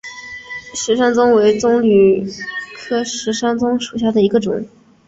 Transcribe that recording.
石山棕为棕榈科石山棕属下的一个种。